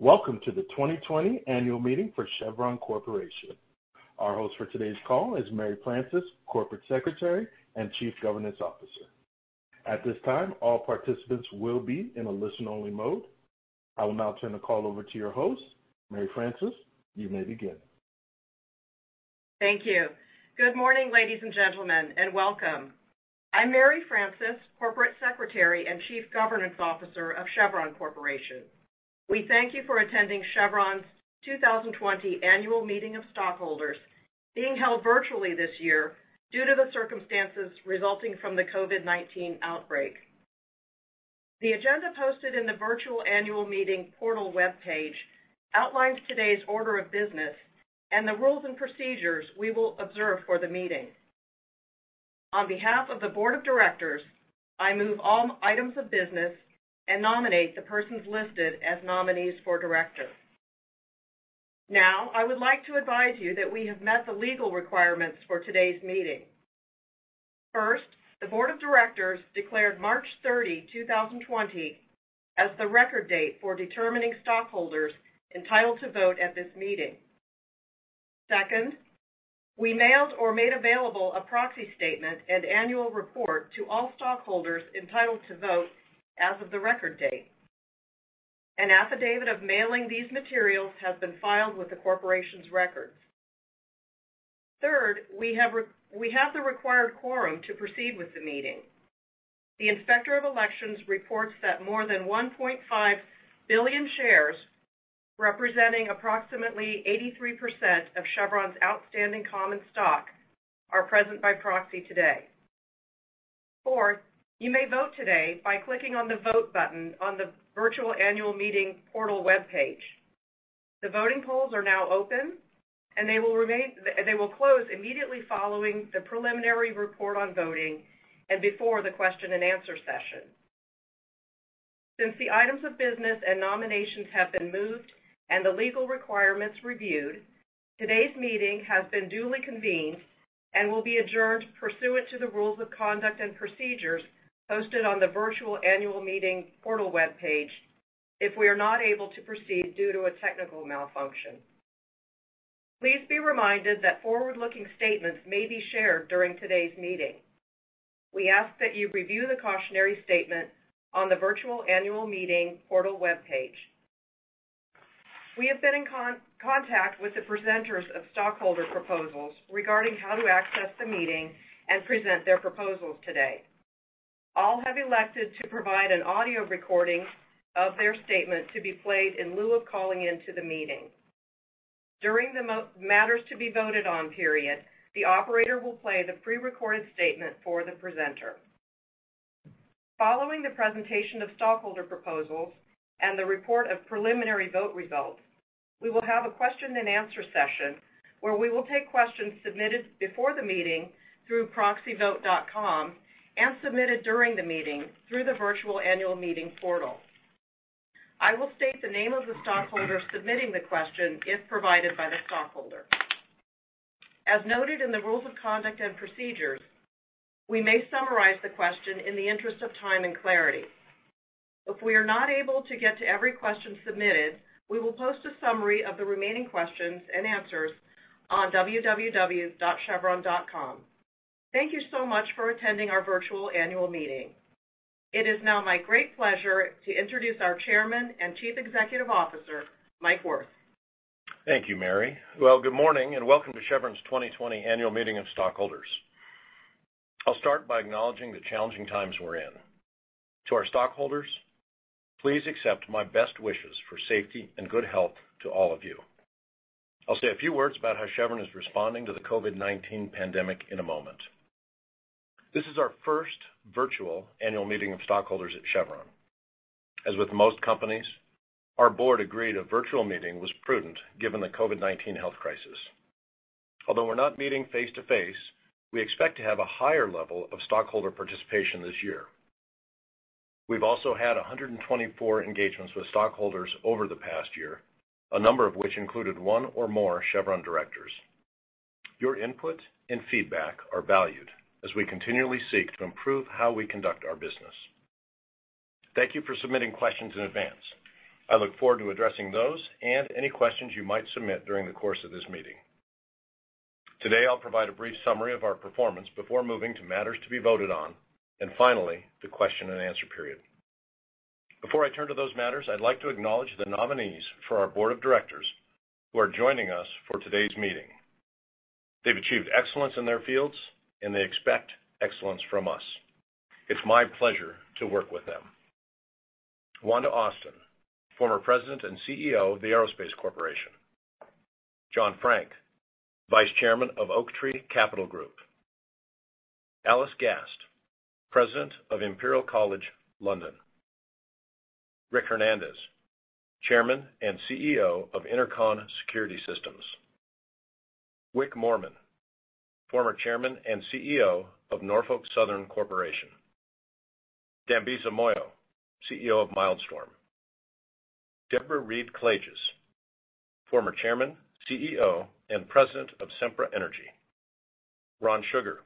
Welcome to the 2020 annual meeting for Chevron Corporation. Our host for today's call is Mary Francis, Corporate Secretary and Chief Governance Officer. At this time, all participants will be in a listen-only mode. I will now turn the call over to your host. Mary Francis, you may begin. Thank you. Good morning, ladies and gentlemen, and welcome. I'm Mary Francis, Corporate Secretary and Chief Governance Officer of Chevron Corporation. We thank you for attending Chevron's 2020 annual meeting of stockholders, being held virtually this year due to the circumstances resulting from the COVID-19 outbreak. The agenda posted in the virtual annual meeting portal webpage outlines today's order of business and the rules and procedures we will observe for the meeting. On behalf of the board of directors, I move all items of business and nominate the persons listed as nominees for directors. I would like to advise you that we have met the legal requirements for today's meeting. First, the board of directors declared March 30, 2020, as the record date for determining stockholders entitled to vote at this meeting. Second, we mailed or made available a proxy statement and annual report to all stockholders entitled to vote as of the record date. An affidavit of mailing these materials has been filed with the corporation's records. Third, we have the required quorum to proceed with the meeting. The Inspector of Elections reports that more than 1.5 billion shares, representing approximately 83% of Chevron's outstanding common stock, are present by proxy today. Fourth, you may vote today by clicking on the Vote button on the virtual annual meeting portal webpage. The voting polls are now open, and they will close immediately following the preliminary report on voting and before the question and answer session. Since the items of business and nominations have been moved and the legal requirements reviewed, today's meeting has been duly convened and will be adjourned pursuant to the rules of conduct and procedures posted on the virtual annual meeting portal webpage if we are not able to proceed due to a technical malfunction. Please be reminded that forward-looking statements may be shared during today's meeting. We ask that you review the cautionary statement on the virtual annual meeting portal webpage. We have been in contact with the presenters of stockholder proposals regarding how to access the meeting and present their proposals today. All have elected to provide an audio recording of their statement to be played in lieu of calling into the meeting. During the matters to be voted on period, the operator will play the prerecorded statement for the presenter. Following the presentation of stockholder proposals and the report of preliminary vote results, we will have a question-and-answer session where we will take questions submitted before the meeting through proxyvote.com and submitted during the meeting through the virtual annual meeting portal. I will state the name of the stockholder submitting the question if provided by the stockholder. As noted in the rules of conduct and procedures, we may summarize the question in the interest of time and clarity. If we are not able to get to every question submitted, we will post a summary of the remaining questions and answers on www.chevron.com. Thank you so much for attending our virtual annual meeting. It is now my great pleasure to introduce our Chairman and Chief Executive Officer, Mike Wirth. Thank you, Mary. Well, good morning, and welcome to Chevron's 2020 Annual Meeting of Stockholders. I'll start by acknowledging the challenging times we're in. To our stockholders, please accept my best wishes for safety and good health to all of you. I'll say a few words about how Chevron is responding to the COVID-19 pandemic in a moment. This is our first virtual Annual Meeting of Stockholders at Chevron. As with most companies, our board agreed a virtual meeting was prudent given the COVID-19 health crisis. Although we're not meeting face-to-face, we expect to have a higher level of stockholder participation this year. We've also had 124 engagements with stockholders over the past year, a number of which included one or more Chevron directors. Your input and feedback are valued as we continually seek to improve how we conduct our business. Thank you for submitting questions in advance. I look forward to addressing those and any questions you might submit during the course of this meeting. Today, I'll provide a brief summary of our performance before moving to matters to be voted on, and finally, the question and answer period. Before I turn to those matters, I'd like to acknowledge the nominees for our board of directors who are joining us for today's meeting. They've achieved excellence in their fields, and they expect excellence from us. It's my pleasure to work with them. Wanda Austin, Former President and Chief Executive Officer of The Aerospace Corporation. John Frank, Vice Chairman of Oaktree Capital Group. Alice Gast, President of Imperial College London. Rick Hernandez, Chairman and Chief Executive Officer of Inter-Con Security Systems. Wick Moorman, Former Chairman and Chief Executive Officer of Norfolk Southern Corporation. Dambisa Moyo, Chief Executive Officer of Mildstorm. Debra Reed-Klages, former Chairman, Chief Executive Officer, and President of Sempra Energy. Ron Sugar,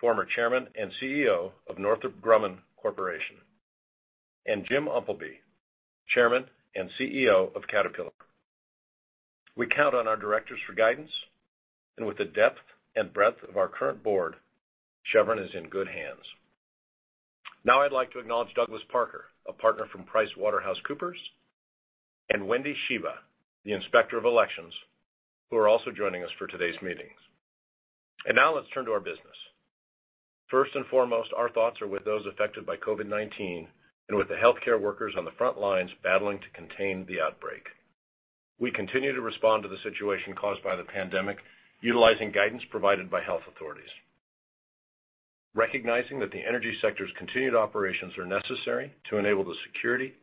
Former Chairman and CEO of Northrop Grumman Corporation. Jim Umpleby, Chairman and CEO of Caterpillar. We count on our directors for guidance, and with the depth and breadth of our current board, Chevron is in good hands. Now I'd like to acknowledge Douglas Parker, a partner from PricewaterhouseCoopers, and Wendy Shiva, the Inspector of Elections, who are also joining us for today's meetings. Now let's turn to our business. First and foremost, our thoughts are with those affected by COVID-19 and with the healthcare workers on the front lines battling to contain the outbreak. We continue to respond to the situation caused by the pandemic, utilizing guidance provided by health authorities. Recognizing that the energy sector's continued operations are necessary to enable the security,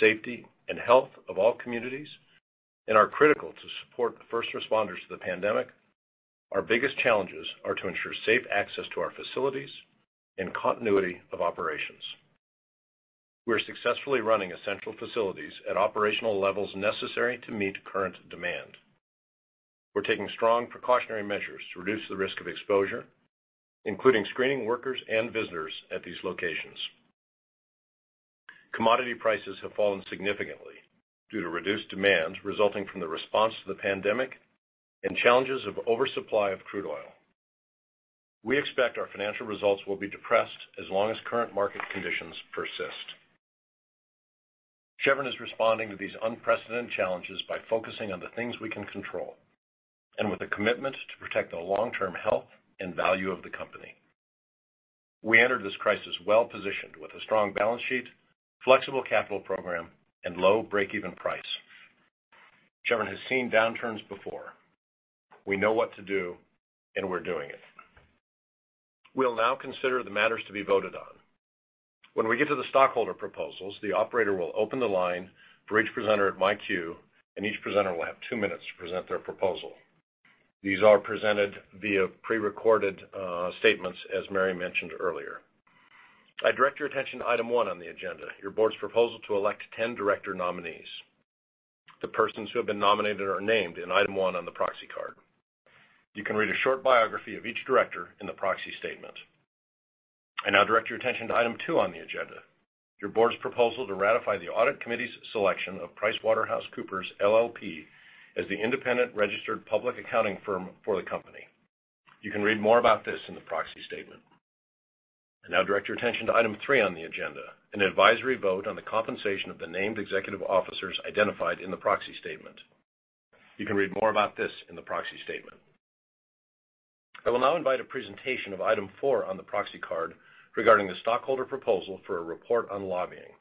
safety, and health of all communities and are critical to support the first responders to the pandemic, our biggest challenges are to ensure safe access to our facilities and continuity of operations. We're successfully running essential facilities at operational levels necessary to meet current demand. We're taking strong precautionary measures to reduce the risk of exposure, including screening workers and visitors at these locations. Commodity prices have fallen significantly due to reduced demand resulting from the response to the pandemic and challenges of oversupply of crude oil. We expect our financial results will be depressed as long as current market conditions persist. Chevron is responding to these unprecedented challenges by focusing on the things we can control and with a commitment to protect the long-term health and value of the company. We entered this crisis well-positioned with a strong balance sheet, flexible capital program, and low breakeven price. Chevron has seen downturns before. We know what to do, and we're doing it. We'll now consider the matters to be voted on. When we get to the stockholder proposals, the operator will open the line for each presenter at my cue, and each presenter will have two minutes to present their proposal. These are presented via pre-recorded statements, as Mary mentioned earlier. I direct your attention to item one on the agenda, your board's proposal to elect 10 director nominees. The persons who have been nominated are named in item one on the proxy card. You can read a short biography of each director in the proxy statement. I now direct your attention to item two on the agenda, your board's proposal to ratify the audit committee's selection of PricewaterhouseCoopers LLP as the independent registered public accounting firm for the company. You can read more about this in the proxy statement. I now direct your attention to item three on the agenda, an advisory vote on the compensation of the named executive officers identified in the proxy statement. You can read more about this in the proxy statement. I will now invite a presentation of item four on the proxy card regarding the stockholder proposal for a report on lobbying.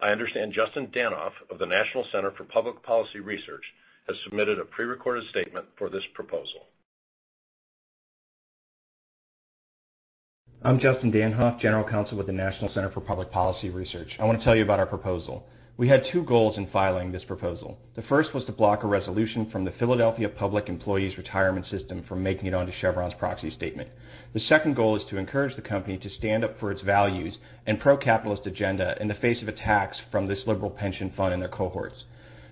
I understand Justin Danhof of the National Center for Public Policy Research has submitted a pre-recorded statement for this proposal. I'm Justin Danhof, General Counsel with the National Center for Public Policy Research. I want to tell you about our proposal. We had two goals in filing this proposal. The first was to block a resolution from the Philadelphia Public Employees Retirement System from making it onto Chevron's proxy statement. The second goal is to encourage the company to stand up for its values and pro-capitalist agenda in the face of attacks from this liberal pension fund and their cohorts.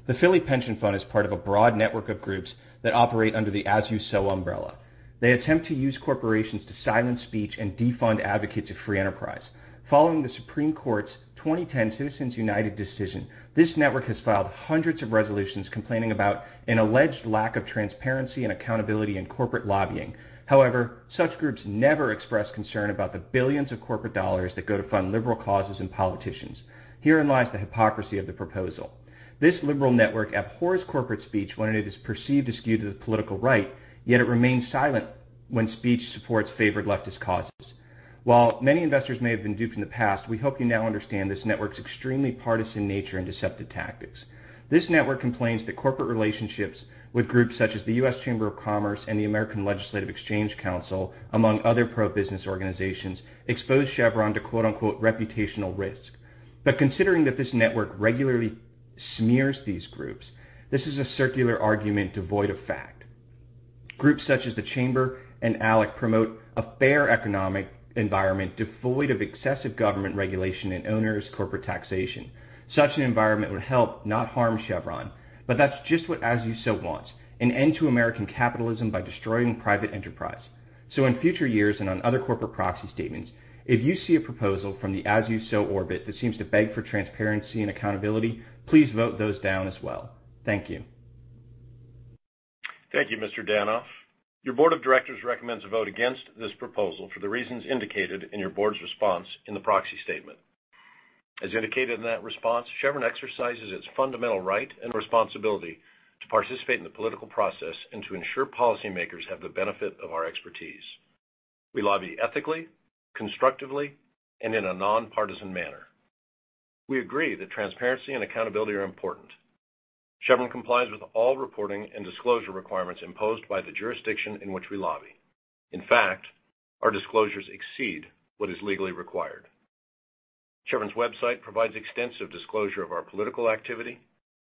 The Philly pension fund is part of a broad network of groups that operate under the As You Sow umbrella. They attempt to use corporations to silence speech and defund advocates of free enterprise. Following the Supreme Court's 2010 Citizens United decision, this network has filed hundreds of resolutions complaining about an alleged lack of transparency and accountability in corporate lobbying. However, such groups never express concern about the billions of corporate dollars that go to fund liberal causes and politicians. Herein lies the hypocrisy of the proposal. This liberal network abhors corporate speech when it is perceived as skewed to the political right, yet it remains silent when speech supports favored leftist causes. While many investors may have been duped in the past, we hope you now understand this network's extremely partisan nature and deceptive tactics. This network complains that corporate relationships with groups such as the U.S. Chamber of Commerce and the American Legislative Exchange Council, among other pro-business organizations, expose Chevron to, quote unquote, "reputational risk." Considering that this network regularly smears these groups, this is a circular argument devoid of fact. Groups such as the Chamber and ALEC promote a fair economic environment devoid of excessive government regulation and onerous corporate taxation. Such an environment would help, not harm Chevron. That's just what As You Sow wants, an end to American capitalism by destroying private enterprise. In future years and on other corporate proxy statements, if you see a proposal from the As You Sow orbit that seems to beg for transparency and accountability, please vote those down as well. Thank you. Thank you, Mr. Danhof. Your board of directors recommends a vote against this proposal for the reasons indicated in your board's response in the proxy statement. As indicated in that response, Chevron exercises its fundamental right and responsibility to participate in the political process and to ensure policymakers have the benefit of our expertise. We lobby ethically, constructively, and in a nonpartisan manner. We agree that transparency and accountability are important. Chevron complies with all reporting and disclosure requirements imposed by the jurisdiction in which we lobby. In fact, our disclosures exceed what is legally required. Chevron's website provides extensive disclosure of our political activity,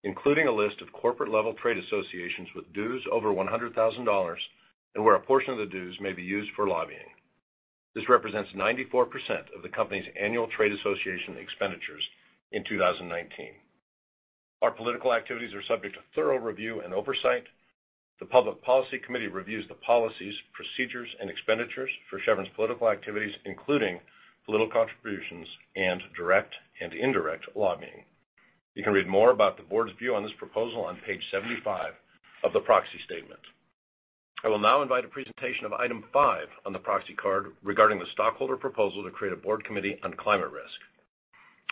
including a list of corporate-level trade associations with dues over $100,000 and where a portion of the dues may be used for lobbying. This represents 94% of the company's annual trade association expenditures in 2019. Our political activities are subject to thorough review and oversight. The Public Policy Committee reviews the policies, procedures, and expenditures for Chevron's political activities, including political contributions and direct and indirect lobbying. You can read more about the board's view on this proposal on page 75 of the proxy statement. I will now invite a presentation of item five on the proxy card regarding the stockholder proposal to create a board committee on climate risk.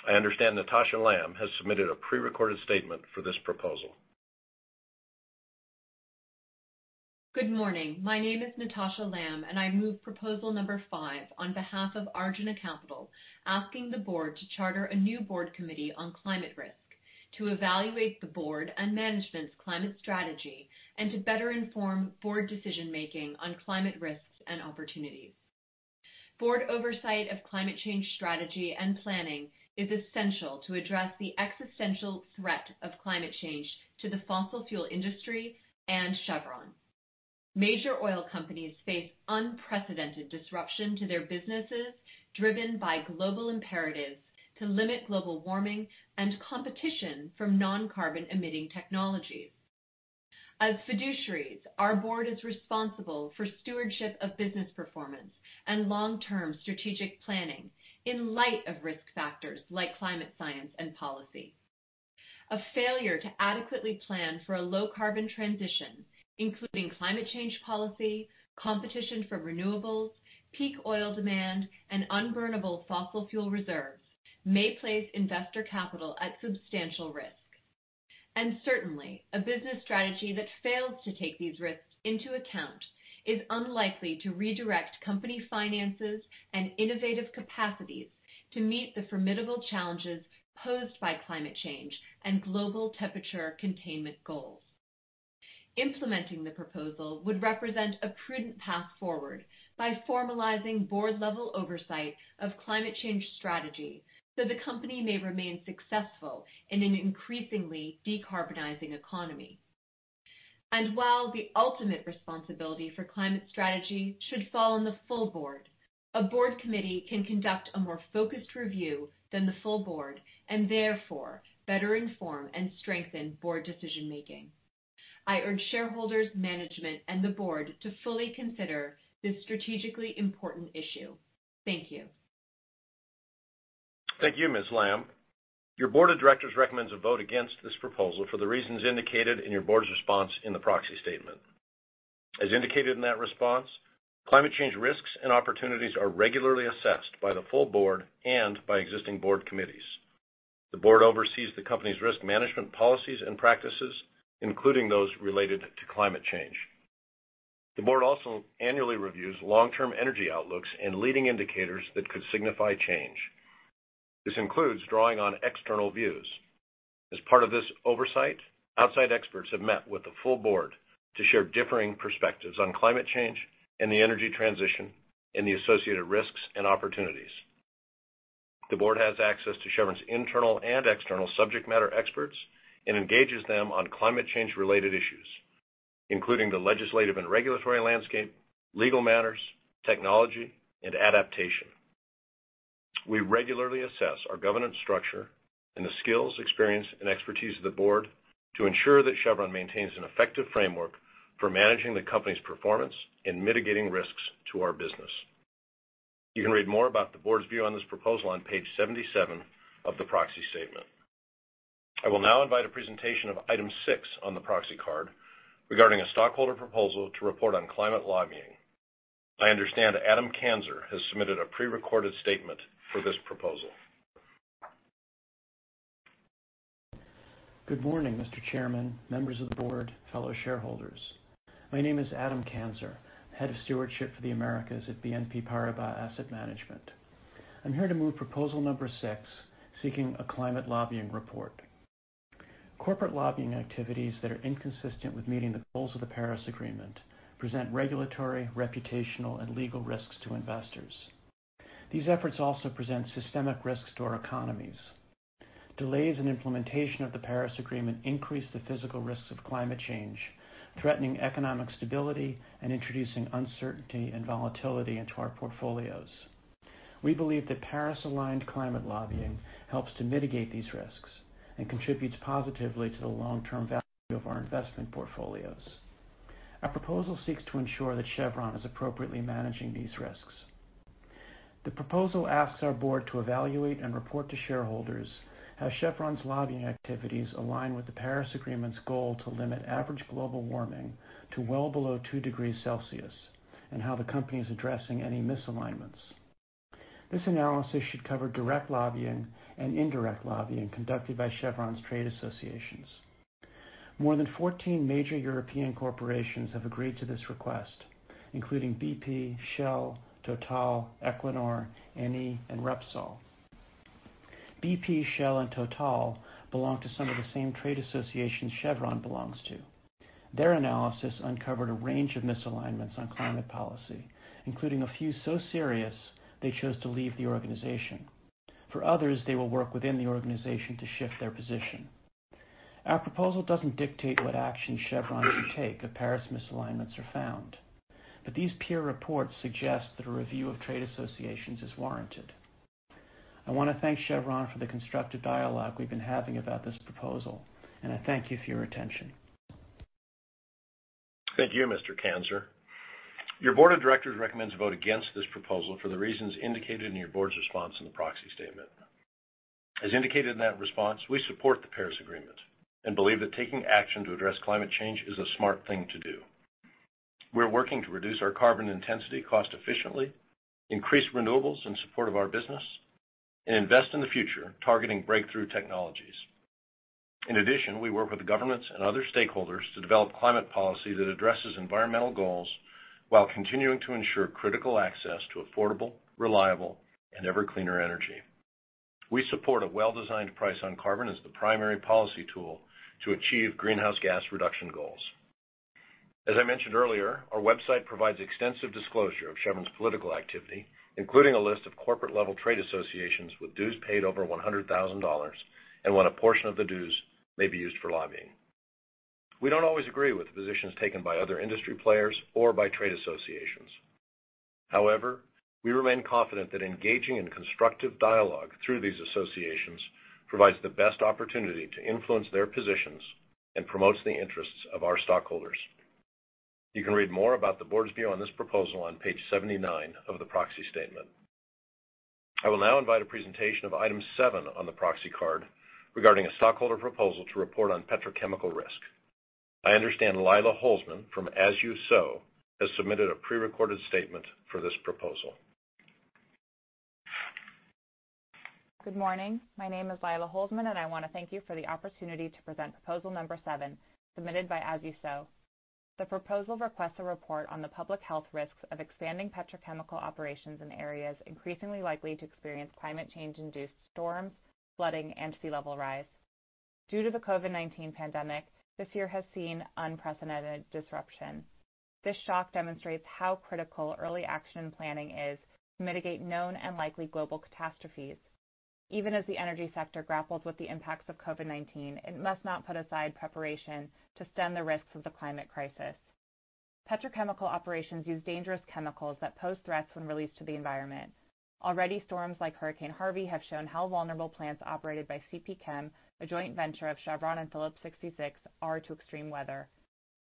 I understand Natasha Lamb has submitted a pre-recorded statement for this proposal. Good morning. My name is Natasha Lamb, and I move proposal number five on behalf of Arjuna Capital, asking the board to charter a new board committee on climate risk, to evaluate the board and management's climate strategy, and to better inform board decision-making on climate risks and opportunities. Board oversight of climate change strategy and planning is essential to address the existential threat of climate change to the fossil fuel industry and Chevron. Major oil companies face unprecedented disruption to their businesses, driven by global imperatives to limit global warming and competition from non-carbon emitting technologies. As fiduciaries, our board is responsible for stewardship of business performance and long-term strategic planning in light of risk factors like climate science and policy. A failure to adequately plan for a low-carbon transition, including climate change policy, competition from renewables, peak oil demand, and unburnable fossil fuel reserves may place investor capital at substantial risk. Certainly, a business strategy that fails to take these risks into account is unlikely to redirect company finances and innovative capacities to meet the formidable challenges posed by climate change and global temperature containment goals. Implementing the proposal would represent a prudent path forward by formalizing board-level oversight of climate change strategy so the company may remain successful in an increasingly decarbonizing economy. While the ultimate responsibility for climate strategy should fall on the full board, a board committee can conduct a more focused review than the full board and therefore better inform and strengthen board decision-making. I urge shareholders, management, and the board to fully consider this strategically important issue. Thank you. Thank you, Ms. Lamb. Your board of directors recommends a vote against this proposal for the reasons indicated in your board's response in the proxy statement. As indicated in that response, climate change risks and opportunities are regularly assessed by the full board and by existing board committees. The board oversees the company's risk management policies and practices, including those related to climate change. The board also annually reviews long-term energy outlooks and leading indicators that could signify change. This includes drawing on external views. As part of this oversight, outside experts have met with the full board to share differing perspectives on climate change and the energy transition, and the associated risks and opportunities. The board has access to Chevron's internal and external subject matter experts and engages them on climate change-related issues, including the legislative and regulatory landscape, legal matters, technology, and adaptation. We regularly assess our governance structure and the skills, experience, and expertise of the board to ensure that Chevron maintains an effective framework for managing the company's performance in mitigating risks to our business. You can read more about the board's view on this proposal on page 77 of the proxy statement. I will now invite a presentation of item six on the proxy card regarding a stockholder proposal to report on climate lobbying. I understand Adam Kanzer has submitted a pre-recorded statement for this proposal. Good morning, Mr. Chairman, members of the board, fellow shareholders. My name is Adam Kanzer, Head of Stewardship for the Americas at BNP Paribas Asset Management. I'm here to move proposal number six, seeking a climate lobbying report. Corporate lobbying activities that are inconsistent with meeting the goals of the Paris Agreement present regulatory, reputational, and legal risks to investors. These efforts also present systemic risks to our economies. Delays in implementation of the Paris Agreement increase the physical risks of climate change, threatening economic stability and introducing uncertainty and volatility into our portfolios. We believe that Paris-aligned climate lobbying helps to mitigate these risks and contributes positively to the long-term value of our investment portfolios. Our proposal seeks to ensure that Chevron is appropriately managing these risks. The proposal asks our board to evaluate and report to shareholders how Chevron's lobbying activities align with the Paris Agreement's goal to limit average global warming to well below two degrees Celsius, and how the company is addressing any misalignments. This analysis should cover direct lobbying and indirect lobbying conducted by Chevron's trade associations. More than 14 major European corporations have agreed to this request, including BP, Shell, Total, Equinor, Eni, and Repsol. BP, Shell, and Total belong to some of the same trade associations Chevron belongs to. Their analysis uncovered a range of misalignments on climate policy, including a few so serious they chose to leave the organization. For others, they will work within the organization to shift their position. Our proposal doesn't dictate what action Chevron should take if Paris misalignments are found. These peer reports suggest that a review of trade associations is warranted. I want to thank Chevron for the constructive dialogue we've been having about this proposal, and I thank you for your attention. Thank you, Mr. Kanzer. Your board of directors recommends a vote against this proposal for the reasons indicated in your board's response in the proxy statement. As indicated in that response, we support the Paris Agreement and believe that taking action to address climate change is a smart thing to do. We're working to reduce our carbon intensity cost efficiently, increase renewables in support of our business, and invest in the future, targeting breakthrough technologies. In addition, we work with governments and other stakeholders to develop climate policy that addresses environmental goals while continuing to ensure critical access to affordable, reliable, and ever-cleaner energy. We support a well-designed price on carbon as the primary policy tool to achieve greenhouse gas reduction goals. As I mentioned earlier, our website provides extensive disclosure of Chevron's political activity, including a list of corporate-level trade associations with dues paid over $100,000 and when a portion of the dues may be used for lobbying. We don't always agree with the positions taken by other industry players or by trade associations. We remain confident that engaging in constructive dialogue through these associations provides the best opportunity to influence their positions and promotes the interests of our stockholders. You can read more about the board's view on this proposal on page 79 of the proxy statement. I will now invite a presentation of item seven on the proxy card regarding a stockholder proposal to report on petrochemical risk. I understand Lila Holzman from As You Sow has submitted a prerecorded statement for this proposal. Good morning. My name is Lila Holzman, and I want to thank you for the opportunity to present proposal number seven, submitted by As You Sow. The proposal requests a report on the public health risks of expanding petrochemical operations in areas increasingly likely to experience climate change-induced storms, flooding, and sea level rise. Due to the COVID-19 pandemic, this year has seen unprecedented disruption. This shock demonstrates how critical early action planning is to mitigate known and likely global catastrophes. Even as the energy sector grapples with the impacts of COVID-19, it must not put aside preparation to stem the risks of the climate crisis. Petrochemical operations use dangerous chemicals that pose threats when released to the environment. Already, storms like Hurricane Harvey have shown how vulnerable plants operated by CPChem, a joint venture of Chevron and Phillips 66, are to extreme weather.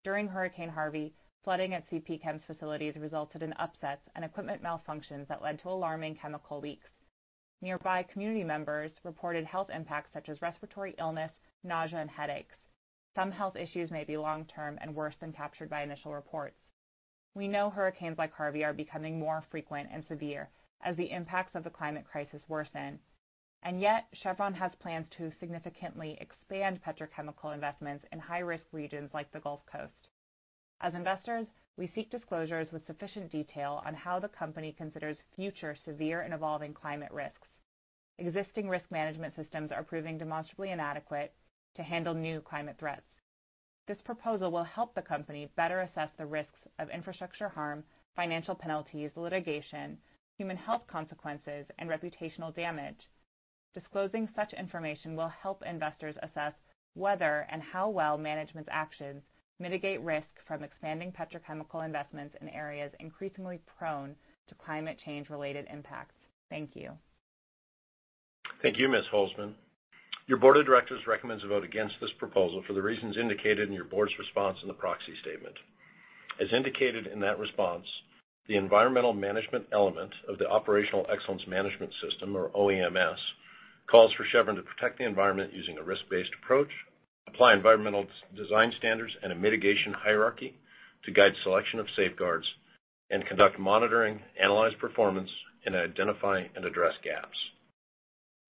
During Hurricane Harvey, flooding at CPChem's facilities resulted in upsets and equipment malfunctions that led to alarming chemical leaks. Nearby community members reported health impacts such as respiratory illness, nausea, and headaches. Some health issues may be long-term and worse than captured by initial reports. We know hurricanes like Harvey are becoming more frequent and severe as the impacts of the climate crisis worsen. Yet, Chevron has plans to significantly expand petrochemical investments in high-risk regions like the Gulf Coast. As investors, we seek disclosures with sufficient detail on how the company considers future severe and evolving climate risks. Existing risk management systems are proving demonstrably inadequate to handle new climate threats. This proposal will help the company better assess the risks of infrastructure harm, financial penalties, litigation, human health consequences, and reputational damage. Disclosing such information will help investors assess whether and how well management's actions mitigate risk from expanding petrochemical investments in areas increasingly prone to climate change-related impacts. Thank you. Thank you, Ms. Holzman. Your board of directors recommends a vote against this proposal for the reasons indicated in your board's response in the proxy statement. As indicated in that response, the environmental management element of the Operational Excellence Management System, or OEMS, calls for Chevron to protect the environment using a risk-based approach, apply environmental design standards and a mitigation hierarchy to guide selection of safeguards, and conduct monitoring, analyze performance, and identify and address gaps.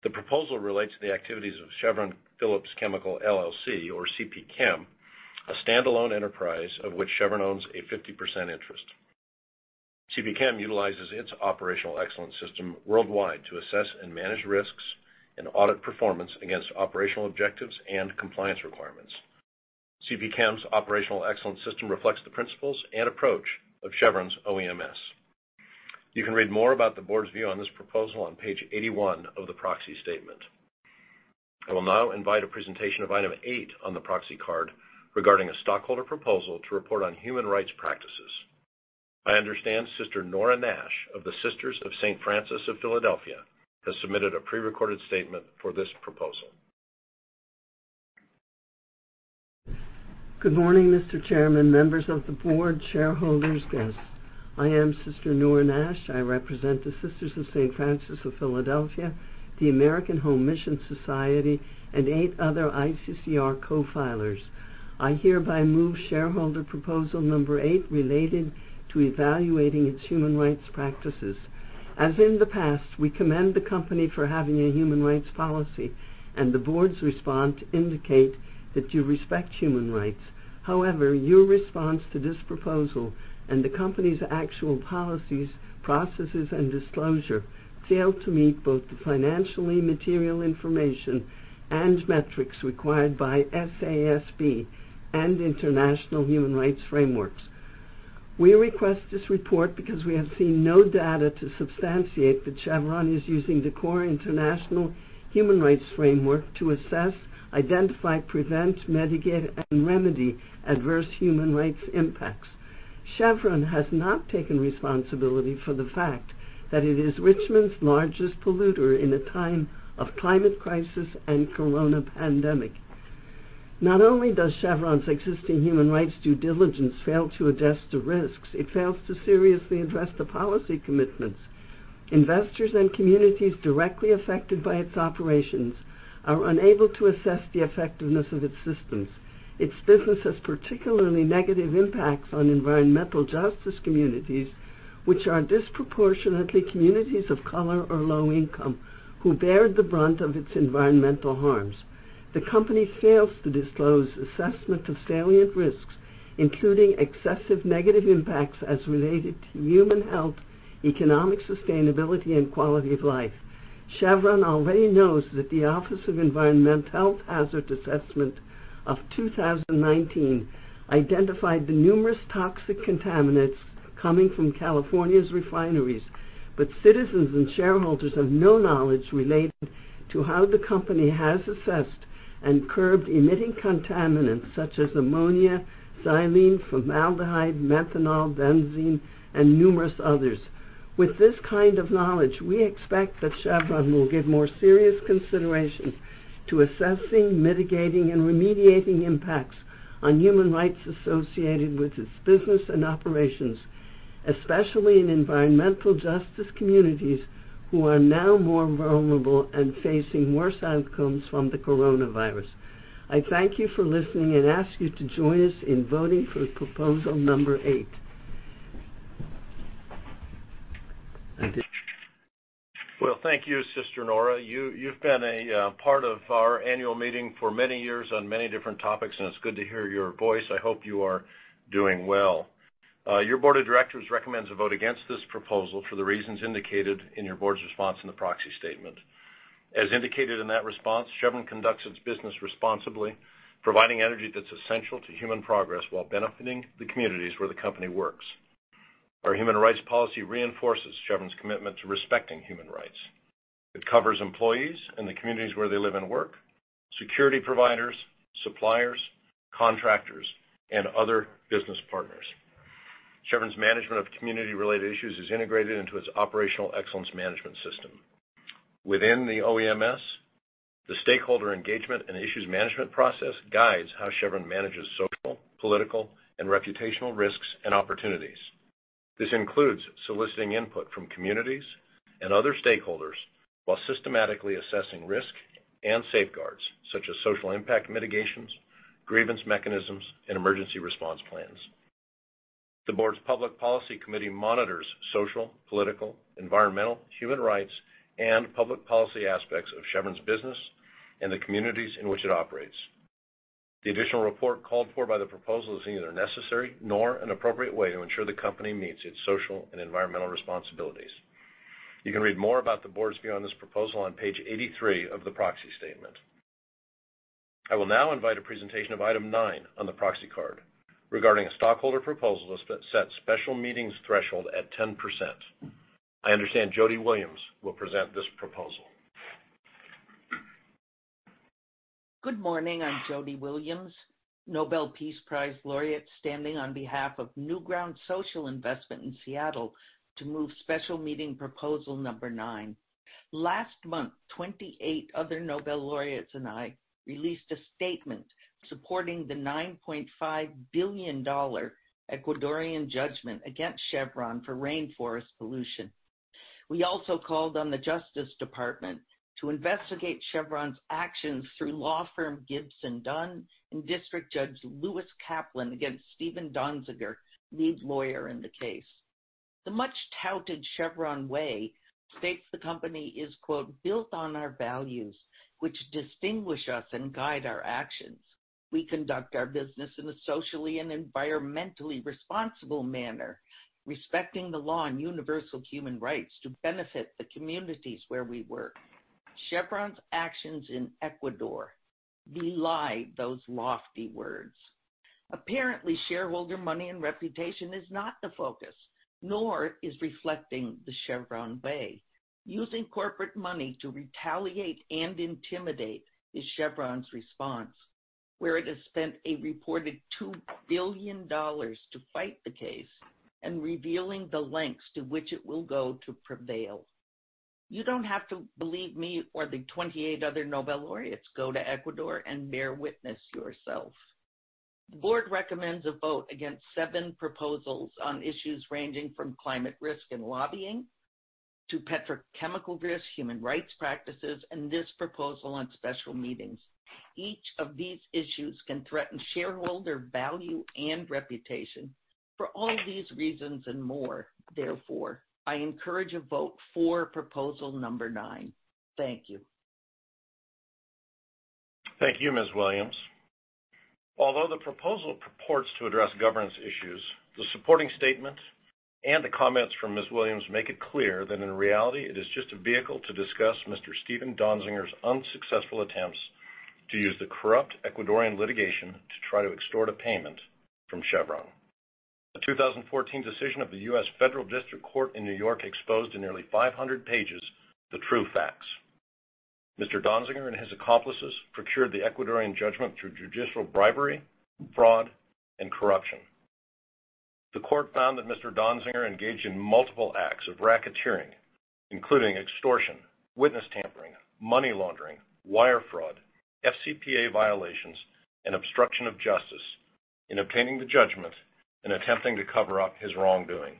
The proposal relates to the activities of Chevron Phillips Chemical LLC, or CPChem, a standalone enterprise of which Chevron owns a 50% interest. CPChem utilizes its operational excellence system worldwide to assess and manage risks and audit performance against operational objectives and compliance requirements. CPChem's operational excellence system reflects the principles and approach of Chevron's OEMS. You can read more about the board's view on this proposal on page 81 of the proxy statement. I will now invite a presentation of item eight on the proxy card regarding a stockholder proposal to report on human rights practices. I understand Sister Nora Nash of the Sisters of St. Francis of Philadelphia has submitted a prerecorded statement for this proposal. Good morning, Mr. Chairman, members of the board, shareholders, guests. I am Sister Nora Nash. I represent the Sisters of St. Francis of Philadelphia, the American Baptist Home Mission Societies, and eight other ICCR co-filers. I hereby move shareholder proposal number eight related to evaluating its human rights practices. As in the past, we commend the company for having a human rights policy, and the board's response indicates that you respect human rights. However, your response to this proposal and the company's actual policies, processes, and disclosure fail to meet both the financially material information and metrics required by SASB and international human rights frameworks. We request this report because we have seen no data to substantiate that Chevron is using the core international human rights framework to assess, identify, prevent, mitigate, and remedy adverse human rights impacts. Chevron has not taken responsibility for the fact that it is Richmond's largest polluter in a time of climate crisis and corona pandemic. Not only does Chevron's existing human rights due diligence fail to address the risks, it fails to seriously address the policy commitments. Investors and communities directly affected by its operations are unable to assess the effectiveness of its systems. Its business has particularly negative impacts on environmental justice communities, which are disproportionately communities of color or low income, who bear the brunt of its environmental harms. The company fails to disclose assessment of salient risks, including excessive negative impacts as related to human health, economic sustainability, and quality of life. Chevron already knows that the Office of Environmental Health Hazard Assessment of 2019 identified the numerous toxic contaminants coming from California's refineries. Citizens and shareholders have no knowledge related to how the company has assessed and curbed emitting contaminants such as ammonia, xylene, formaldehyde, methanol, benzene, and numerous others. With this kind of knowledge, we expect that Chevron will give more serious consideration to assessing, mitigating, and remediating impacts on human rights associated with its business and operations, especially in environmental justice communities who are now more vulnerable and facing worse outcomes from the coronavirus. I thank you for listening and ask you to join us in voting for proposal number 8. Thank you. Well, thank you, Sister Nora. You've been a part of our annual meeting for many years on many different topics, and it's good to hear your voice. I hope you are doing well. Your board of directors recommends a vote against this proposal for the reasons indicated in your board's response in the proxy statement. As indicated in that response, Chevron conducts its business responsibly, providing energy that's essential to human progress while benefiting the communities where the company works. Our human rights policy reinforces Chevron's commitment to respecting human rights. It covers employees and the communities where they live and work, security providers, suppliers, contractors, and other business partners. Chevron's management of community-related issues is integrated into its Operational Excellence Management System. Within the OEMS, the stakeholder engagement and issues management process guides how Chevron manages social, political, and reputational risks and opportunities. This includes soliciting input from communities and other stakeholders while systematically assessing risk and safeguards, such as social impact mitigations, grievance mechanisms, and emergency response plans. The board's public policy committee monitors social, political, environmental, human rights, and public policy aspects of Chevron's business and the communities in which it operates. The additional report called for by the proposal is neither necessary nor an appropriate way to ensure the company meets its social and environmental responsibilities. You can read more about the board's view on this proposal on page 83 of the proxy statement. I will now invite a presentation of item nine on the proxy card regarding a stockholder proposal to set special meetings threshold at 10%. I understand Jody Williams will present this proposal. Good morning. I'm Jody Williams, Nobel Peace Prize laureate, standing on behalf of Newground Social Investment in Seattle to move special meeting proposal number nine. Last month, 28 other Nobel laureates and I released a statement supporting the $9.5 billion Ecuadorian judgment against Chevron for rainforest pollution. We also called on the Justice Department to investigate Chevron's actions through law firm Gibson Dunn and District Judge Lewis Kaplan against Steven Donziger, lead lawyer in the case. The much-touted Chevron way states the company is, quote, "built on our values, which distinguish us and guide our actions. We conduct our business in a socially and environmentally responsible manner, respecting the law and universal human rights to benefit the communities where we work." Chevron's actions in Ecuador belie those lofty words. Apparently, shareholder money and reputation is not the focus, nor is reflecting the Chevron way. Using corporate money to retaliate and intimidate is Chevron's response, where it has spent a reported $2 billion to fight the case and revealing the lengths to which it will go to prevail. You don't have to believe me or the 28 other Nobel laureates. Go to Ecuador and bear witness yourself. The board recommends a vote against seven proposals on issues ranging from climate risk and lobbying to petrochemical risk, human rights practices, and this proposal on special meetings. Each of these issues can threaten shareholder value and reputation. For all these reasons and more, therefore, I encourage a vote for proposal number nine. Thank you. Thank you, Ms. Williams. Although the proposal purports to address governance issues, the supporting statement and the comments from Ms. Williams make it clear that in reality, it is just a vehicle to discuss Mr. Steven Donziger's unsuccessful attempts to use the corrupt Ecuadorian litigation to try to extort a payment from Chevron. The 2014 decision of the U.S. Federal District Court in New York exposed in nearly 500 pages the true facts. Mr. Donziger and his accomplices procured the Ecuadorian judgment through judicial bribery, fraud, and corruption. The court found that Mr. Donziger engaged in multiple acts of racketeering, including extortion, witness tampering, money laundering, wire fraud, FCPA violations, and obstruction of justice in obtaining the judgment and attempting to cover up his wrongdoing.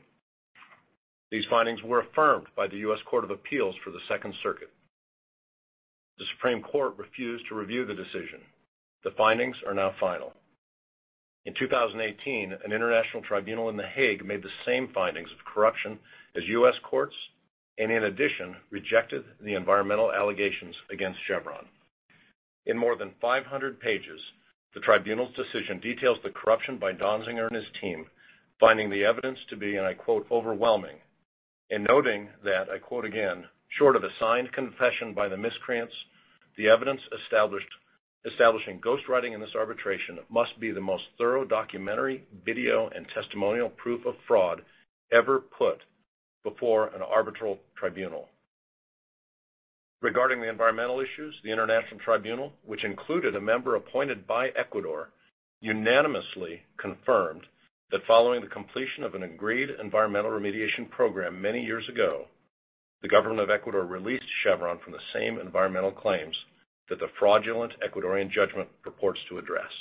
These findings were affirmed by the U.S. Court of Appeals for the Second Circuit. The Supreme Court refused to review the decision. The findings are now final. In 2018, an international tribunal in The Hague made the same findings of corruption as U.S. courts, and in addition, rejected the environmental allegations against Chevron. In more than 500 pages, the tribunal's decision details the corruption by Steven Donziger and his team, finding the evidence to be, and I quote, "Overwhelming," and noting that, I quote again, "Short of a signed confession by the miscreants, the evidence establishing ghostwriting in this arbitration must be the most thorough documentary, video, and testimonial proof of fraud ever put before an arbitral tribunal." Regarding the environmental issues, the international tribunal, which included a member appointed by Ecuador, unanimously confirmed that following the completion of an agreed environmental remediation program many years ago, the government of Ecuador released Chevron from the same environmental claims that the fraudulent Ecuadorian judgment purports to address.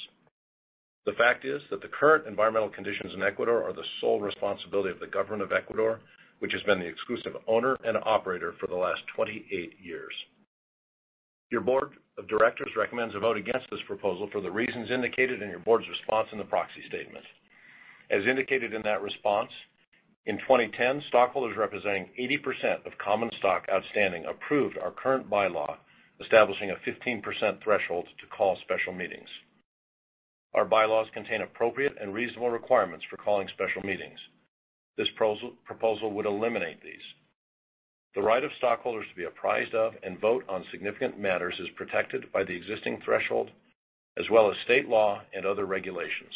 The fact is that the current environmental conditions in Ecuador are the sole responsibility of the government of Ecuador, which has been the exclusive owner and operator for the last 28 years. Your board of directors recommends a vote against this proposal for the reasons indicated in your board's response in the proxy statement. As indicated in that response, in 2010, stockholders representing 80% of common stock outstanding approved our current bylaw establishing a 15% threshold to call special meetings. Our bylaws contain appropriate and reasonable requirements for calling special meetings. This proposal would eliminate these. The right of stockholders to be apprised of and vote on significant matters is protected by the existing threshold, as well as state law and other regulations.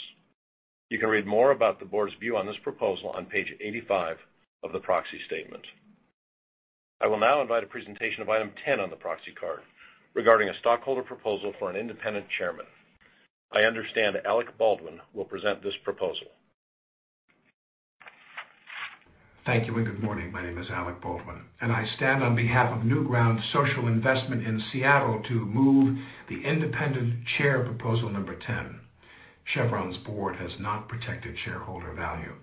You can read more about the board's view on this proposal on page 85 of the proxy statement. I will now invite a presentation of item 10 on the proxy card regarding a stockholder proposal for an independent chairman. I understand Alec Baldwin will present this proposal. Thank you, good morning. My name is Alec Baldwin, and I stand on behalf of Newground Social Investment in Seattle to move the independent chair proposal number 10. Chevron's board has not protected shareholder value.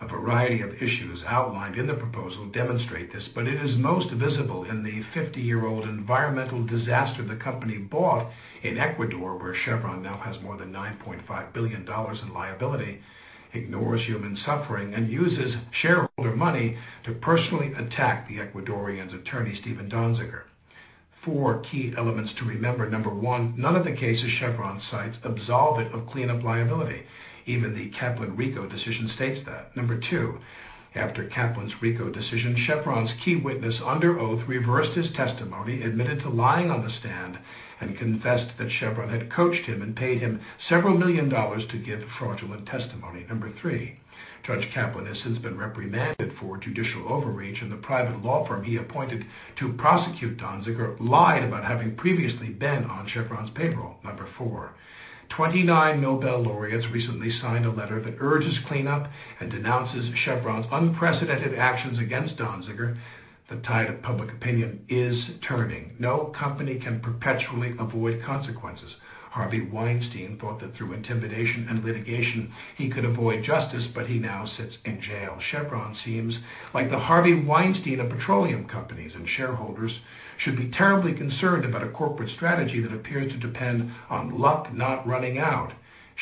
A variety of issues outlined in the proposal demonstrate this, but it is most visible in the 50-year-old environmental disaster the company bought in Ecuador, where Chevron now has more than $9.5 billion in liability, ignores human suffering, and uses shareholder money to personally attack the Ecuadorian's attorney, Steven Donziger. Four key elements to remember. Number one, none of the cases Chevron cites absolve it of cleanup liability. Even the Kaplan RICO decision states that. Number two, after Kaplan's RICO decision, Chevron's key witness, under oath, reversed his testimony, admitted to lying on the stand, and confessed that Chevron had coached him and paid him several million dollars to give fraudulent testimony. Number three, Judge Kaplan has since been reprimanded for judicial overreach, and the private law firm he appointed to prosecute Donziger lied about having previously been on Chevron's payroll. Number four, 29 Nobel laureates recently signed a letter that urges cleanup and denounces Chevron's unprecedented actions against Donziger. The tide of public opinion is turning. No company can perpetually avoid consequences. Harvey Weinstein thought that through intimidation and litigation, he could avoid justice, but he now sits in jail. Chevron seems like the Harvey Weinstein of petroleum companies, and shareholders should be terribly concerned about a corporate strategy that appears to depend on luck not running out.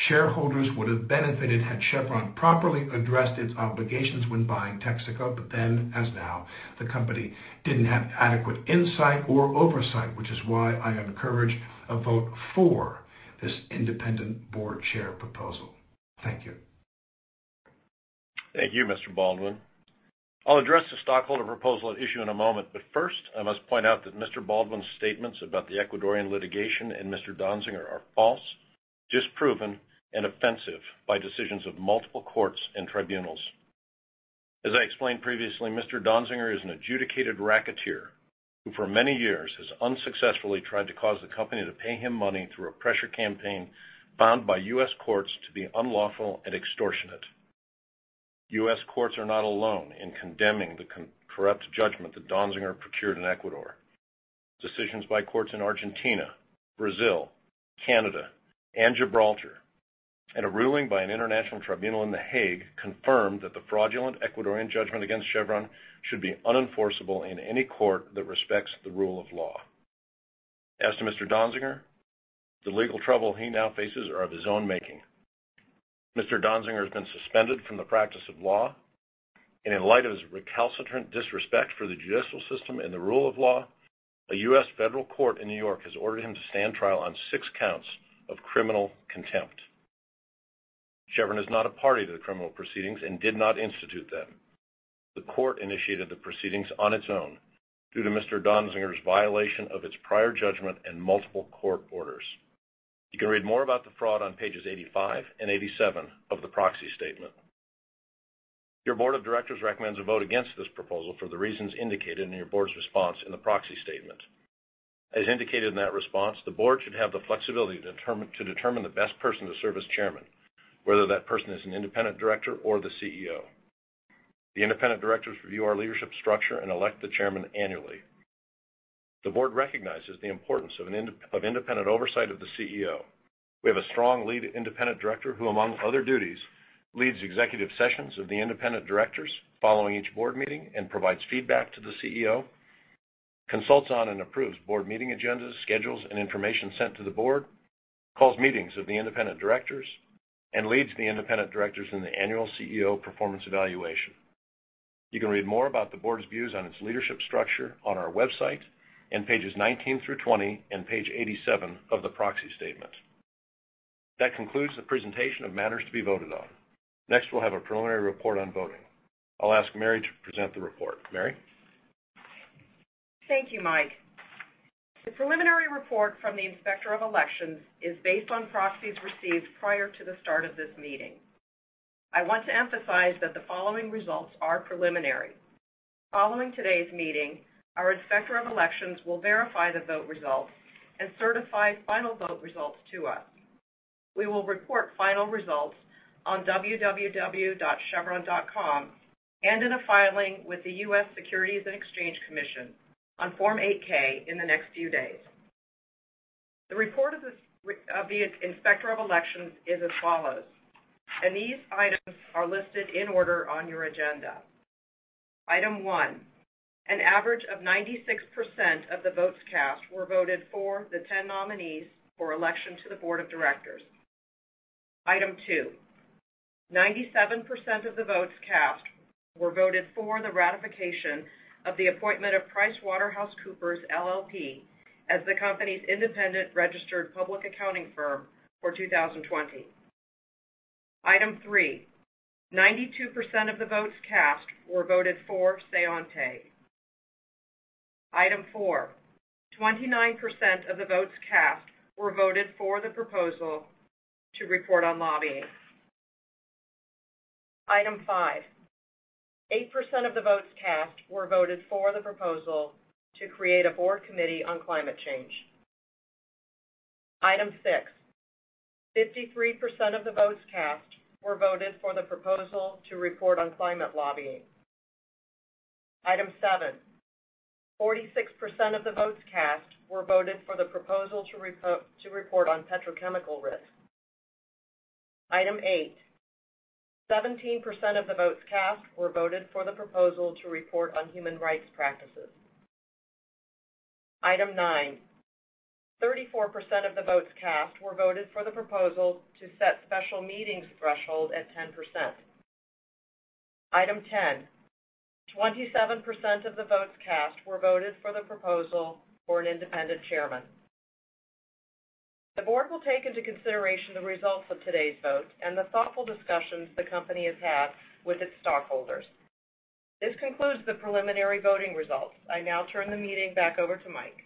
Shareholders would have benefited had Chevron properly addressed its obligations when buying Texaco, but then, as now, the company didn't have adequate insight or oversight, which is why I encourage a vote for this independent board chair proposal. Thank you. Thank you, Mr. Baldwin. I'll address the stockholder proposal at issue in a moment, but first, I must point out that Mr. Baldwin's statements about the Ecuadorian litigation and Mr. Donziger are false, disproven, and offensive by decisions of multiple courts and tribunals. As I explained previously, Mr. Donziger is an adjudicated racketeer who for many years has unsuccessfully tried to cause the company to pay him money through a pressure campaign found by U.S. courts to be unlawful and extortionate. U.S. courts are not alone in condemning the corrupt judgment that Donziger procured in Ecuador. Decisions by courts in Argentina, Brazil, Canada, and Gibraltar, and a ruling by an international tribunal in The Hague confirmed that the fraudulent Ecuadorian judgment against Chevron should be unenforceable in any court that respects the rule of law. As to Mr. Donziger, the legal trouble he now faces are of his own making. Mr. Donziger has been suspended from the practice of law, and in light of his recalcitrant disrespect for the judicial system and the rule of law, a U.S. federal court in New York has ordered him to stand trial on six counts of criminal contempt. Chevron is not a party to the criminal proceedings and did not institute them. The court initiated the proceedings on its own due to Mr. Donziger's violation of its prior judgment and multiple court orders. You can read more about the fraud on pages 85 and 87 of the proxy statement. Your board of directors recommends a vote against this proposal for the reasons indicated in your board's response in the proxy statement. As indicated in that response, the board should have the flexibility to determine the best person to serve as chairman, whether that person is an independent director or the CEO. The independent directors review our leadership structure and elect the chairman annually. The board recognizes the importance of independent oversight of the CEO. We have a strong lead independent director who, among other duties, leads executive sessions of the independent directors following each board meeting and provides feedback to the CEO, consults on and approves board meeting agendas, schedules, and information sent to the board, calls meetings of the independent directors, and leads the independent directors in the annual CEO performance evaluation. You can read more about the board's views on its leadership structure on our website in pages 19-20 and page 87 of the proxy statement. That concludes the presentation of matters to be voted on. Next, we'll have a preliminary report on voting. I'll ask Mary to present the report. Mary? Thank you, Mike. The preliminary report from the Inspector of Elections is based on proxies received prior to the start of this meeting. I want to emphasize that the following results are preliminary. Following today's meeting, our Inspector of Elections will verify the vote results and certify final vote results to us. We will report final results on www.chevron.com and in a filing with the U.S. Securities and Exchange Commission on Form 8-K in the next few days. The report of the Inspector of Elections is as follows, and these items are listed in order on your agenda. Item one, an average of 96% of the votes cast were voted for the 10 nominees for election to the board of directors. Item two, 97% of the votes cast were voted for the ratification of the appointment of PricewaterhouseCoopers LLP as the company's independent registered public accounting firm for 2020. Item three, 92% of the votes cast were voted for Say on Pay. Item four, 29% of the votes cast were voted for the proposal to report on lobbying. Item five, 8% of the votes cast were voted for the proposal to create a board committee on climate change. Item six, 53% of the votes cast were voted for the proposal to report on climate lobbying. Item seven, 46% of the votes cast were voted for the proposal to report on petrochemical risk. Item eight, 17% of the votes cast were voted for the proposal to report on human rights practices. Item nine, 34% of the votes cast were voted for the proposal to set special meetings threshold at 10%. Item 10, 27% of the votes cast were voted for the proposal for an independent chairman. The board will take into consideration the results of today's vote and the thoughtful discussions the company has had with its stockholders. This concludes the preliminary voting results. I now turn the meeting back over to Mike.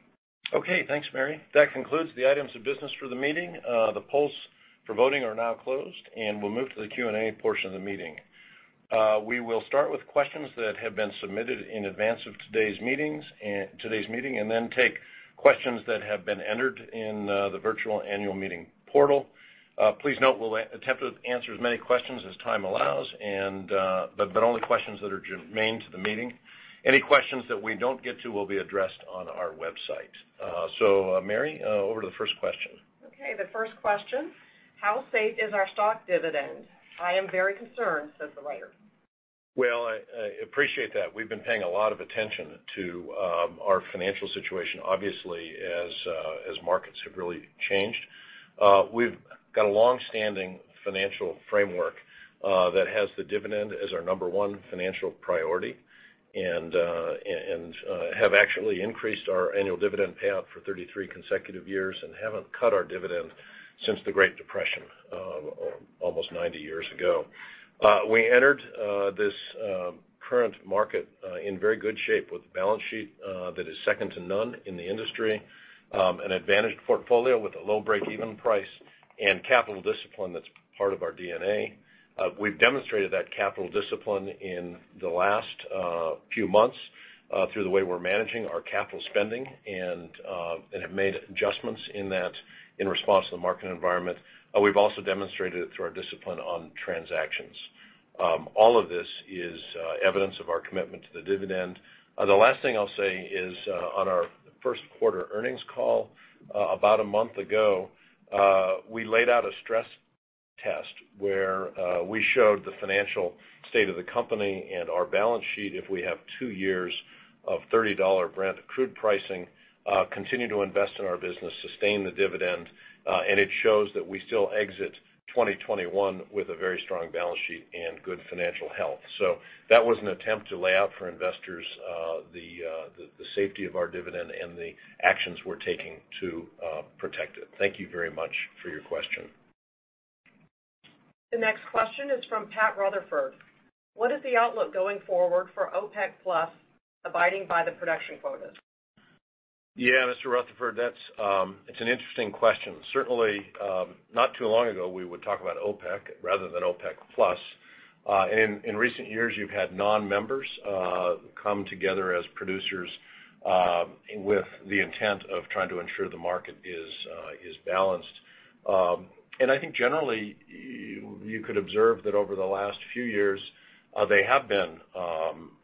Okay, thanks, Mary. That concludes the items of business for the meeting. The polls for voting are now closed, and we'll move to the Q&A portion of the meeting. We will start with questions that have been submitted in advance of today's meeting, and then take questions that have been entered in the virtual annual meeting portal. Please note we'll attempt to answer as many questions as time allows, but only questions that are germane to the meeting. Any questions that we don't get to will be addressed on our website. Mary, over to the first question. The first question, "How safe is our stock dividend? I am very concerned," says the writer. Well, I appreciate that. We've been paying a lot of attention to our financial situation, obviously, as markets have really changed. We've got a long-standing financial framework that has the dividend as our number one financial priority and have actually increased our annual dividend payout for 33 consecutive years and haven't cut our dividend since the Great Depression, almost 90 years ago. We entered this current market in very good shape with a balance sheet that is second to none in the industry, an advantaged portfolio with a low breakeven price, and capital discipline that's part of our DNA. We've demonstrated that capital discipline in the last few months through the way we're managing our capital spending and have made adjustments in that in response to the market environment. We've also demonstrated it through our discipline on transactions. All of this is evidence of our commitment to the dividend. The last thing I'll say is on our first quarter earnings call about a month ago, we laid out a stress test where we showed the financial state of the company and our balance sheet if we have two years of $30 Brent crude pricing, continue to invest in our business, sustain the dividend, and it shows that we still exit 2021 with a very strong balance sheet and good financial health. That was an attempt to lay out for investors the safety of our dividend and the actions we're taking to protect it. Thank you very much for your question. The next question is from Pat Rutherford. "What is the outlook going forward for OPEC+ abiding by the production quotas? Yeah, Mr. Rutherford, that's an interesting question. Certainly, not too long ago, we would talk about OPEC rather than OPEC+. In recent years, you've had non-members come together as producers with the intent of trying to ensure the market is balanced. I think generally, you could observe that over the last few years, they have been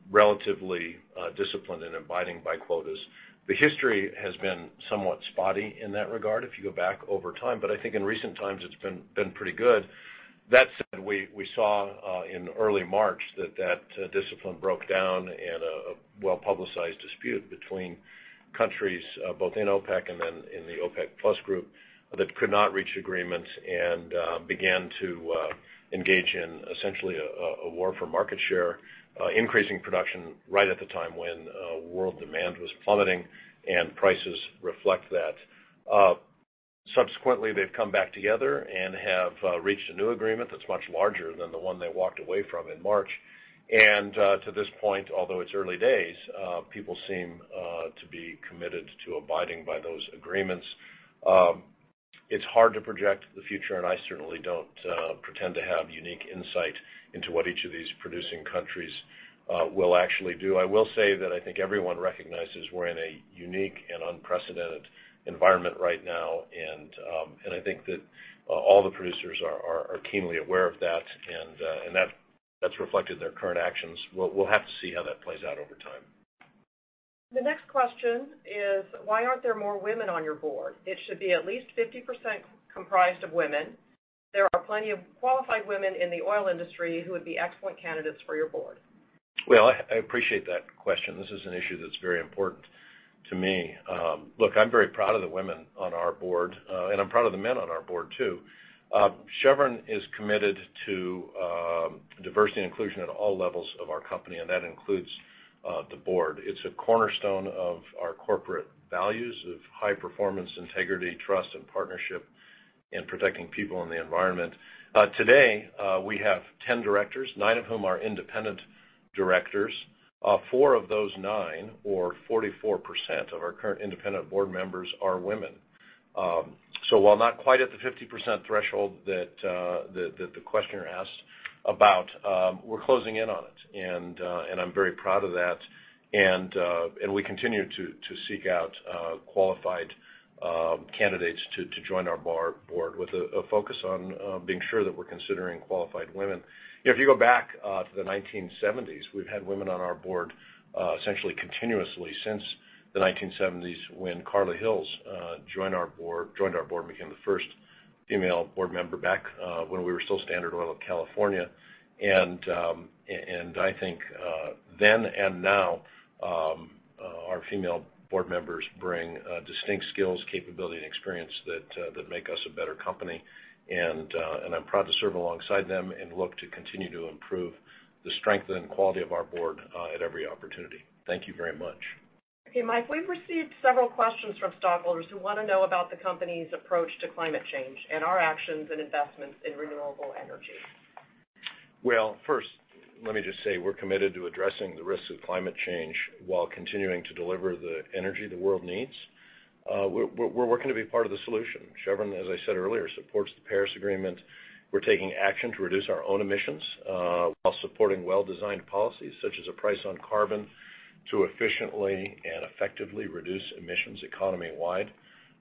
relatively disciplined in abiding by quotas. The history has been somewhat spotty in that regard if you go back over time, but I think in recent times it's been pretty good. That said, we saw in early March that that discipline broke down in a well-publicized dispute between countries both in OPEC and then in the OPEC+ group that could not reach agreements and began to engage in essentially a war for market share, increasing production right at the time when world demand was plummeting and prices reflect that. Subsequently, they've come back together and have reached a new agreement that's much larger than the one they walked away from in March. To this point, although it's early days, people seem to be committed to abiding by those agreements. It's hard to project the future, and I certainly don't pretend to have unique insight into what each of these producing countries will actually do. I will say that I think everyone recognizes we're in a unique and unprecedented environment right now, and I think that all the producers are keenly aware of that, and that's reflected in their current actions. We'll have to see how that plays out over time. The next question is why aren't there more women on your board? It should be at least 50% comprised of women. There are plenty of qualified women in the oil industry who would be excellent candidates for your board. Well, I appreciate that question. This is an issue that's very important to me. Look, I'm very proud of the women on our board, and I'm proud of the men on our board, too. Chevron is committed to diversity and inclusion at all levels of our company, and that includes the board. It's a cornerstone of our corporate values of high performance, integrity, trust, and partnership in protecting people and the environment. Today, we have 10 directors, nine of whom are independent directors. Four of those nine or 44% of our current independent board members are women. While not quite at the 50% threshold that the questioner asked about, we're closing in on it, and I'm very proud of that. We continue to seek out qualified candidates to join our board with a focus on being sure that we're considering qualified women. If you go back to the 1970s, we've had women on our board essentially continuously since the 1970s when Carla Hills joined our board and became the first female board member back when we were still Standard Oil of California. I think then and now, our female board members bring distinct skills, capability, and experience that make us a better company. I'm proud to serve alongside them and look to continue to improve the strength and quality of our board at every opportunity. Thank you very much. Okay, Mike, we've received several questions from stockholders who want to know about the company's approach to climate change and our actions and investments in renewable energy. First, let me just say we're committed to addressing the risks of climate change while continuing to deliver the energy the world needs. We're working to be part of the solution. Chevron, as I said earlier, supports the Paris Agreement. We're taking action to reduce our own emissions while supporting well-designed policies such as a price on carbon to efficiently and effectively reduce emissions economy-wide.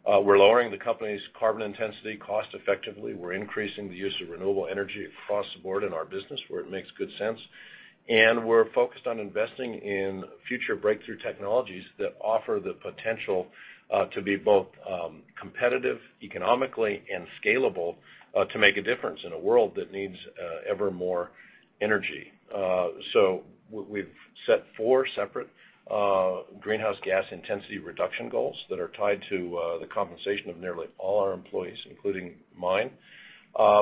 We're lowering the company's carbon intensity cost effectively. We're increasing the use of renewable energy across the board in our business where it makes good sense. We're focused on investing in future breakthrough technologies that offer the potential to be both competitive economically and scalable to make a difference in a world that needs ever more energy. We've set four separate greenhouse gas intensity reduction goals that are tied to the compensation of nearly all our employees, including mine.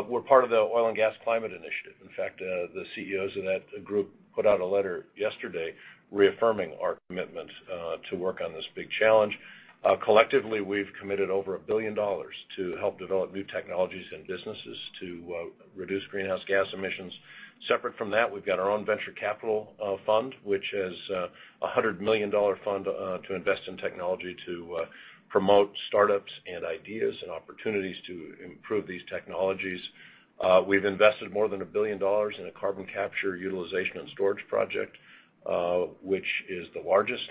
We're part of the Oil and Gas Climate Initiative. The CEOs of that group put out a letter yesterday reaffirming our commitment to work on this big challenge. Collectively, we've committed over $1 billion to help develop new technologies and businesses to reduce greenhouse gas emissions. Separate from that, we've got our own venture capital fund, which is a $100 million fund to invest in technology to promote startups and ideas and opportunities to improve these technologies. We've invested more than $1 billion in a carbon capture, utilization, and storage project, which is the largest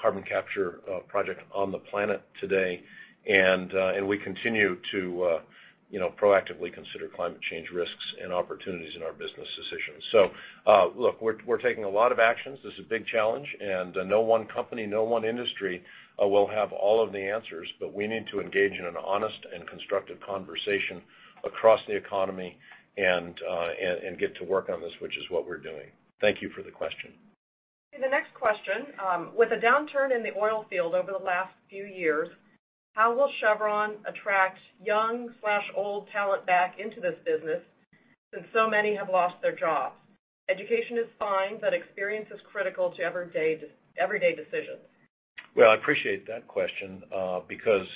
carbon capture project on the planet today. We continue to proactively consider climate change risks and opportunities in our business decisions. Look, we're taking a lot of actions. This is a big challenge, and no one company, no one industry will have all of the answers, but we need to engage in an honest and constructive conversation across the economy and get to work on this, which is what we're doing. Thank you for the question. The next question. With a downturn in the oil field over the last few years, how will Chevron attract young/old talent back into this business since so many have lost their jobs? Education is fine, but experience is critical to everyday decisions. Well, I appreciate that question because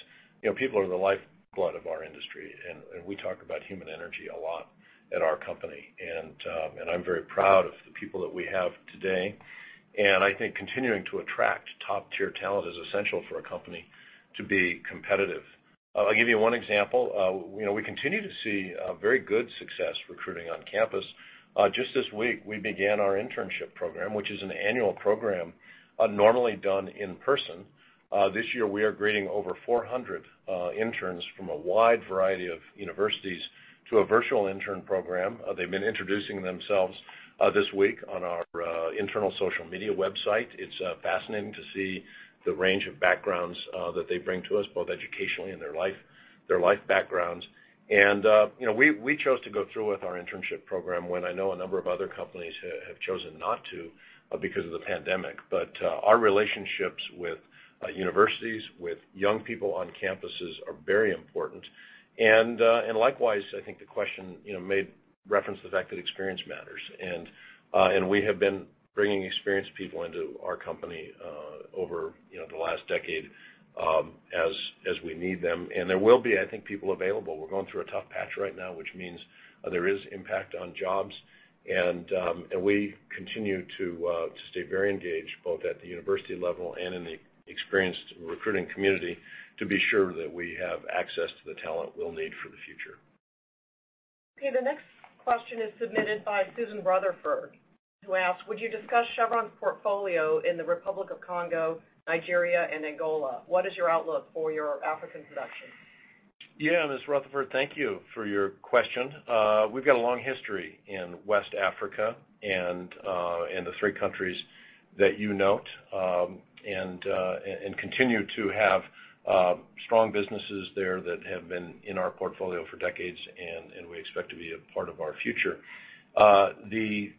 people are the lifeblood of our industry. We talk about human energy a lot at our company. I'm very proud of the people that we have today. I think continuing to attract top-tier talent is essential for a company to be competitive. I'll give you one example. We continue to see very good success recruiting on campus. Just this week, we began our internship program, which is an annual program normally done in person. This year we are greeting over 400 interns from a wide variety of universities to a virtual intern program. They've been introducing themselves this week on our internal social media website. It's fascinating to see the range of backgrounds that they bring to us, both educationally and their life backgrounds. We chose to go through with our internship program when I know a number of other companies have chosen not to because of the pandemic. Our relationships with universities, with young people on campuses are very important. Likewise, I think the question made reference to the fact that experience matters. We have been bringing experienced people into our company over the last decade as we need them. There will be, I think, people available. We're going through a tough patch right now, which means there is impact on jobs. We continue to stay very engaged both at the university level and in the experienced recruiting community to be sure that we have access to the talent we'll need for the future. The next question is submitted by Susan Rutherford, who asks, "Would you discuss Chevron's portfolio in the Republic of Congo, Nigeria, and Angola? What is your outlook for your African production? Yeah, Ms. Rutherford, thank you for your question. We've got a long history in West Africa and the three countries that you note, and continue to have strong businesses there that have been in our portfolio for decades and we expect to be a part of our future. The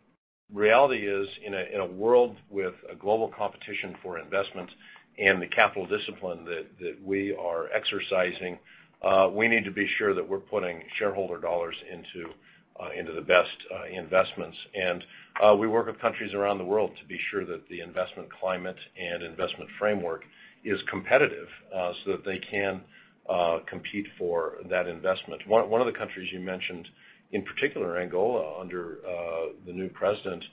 reality is, in a world with a global competition for investment and the capital discipline that we are exercising, we need to be sure that we're putting shareholder dollars into the best investments. We work with countries around the world to be sure that the investment climate and investment framework is competitive so that they can compete for that investment. One of the countries you mentioned, in particular, Angola, under the new president,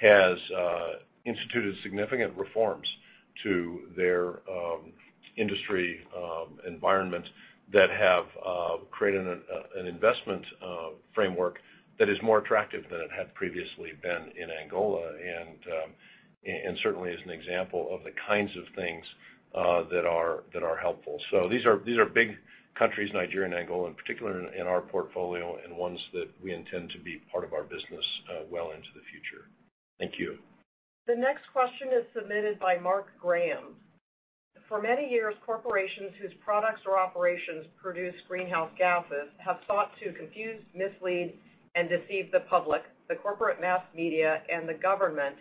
has instituted significant reforms to their industry environment that have created an investment framework that is more attractive than it had previously been in Angola, and certainly is an example of the kinds of things that are helpful. These are big countries, Nigeria and Angola in particular, in our portfolio, and ones that we intend to be part of our business well into the future. Thank you. The next question is submitted by Mark Graham. "For many years, corporations whose products or operations produce greenhouse gases have sought to confuse, mislead, and deceive the public, the corporate mass media, and the government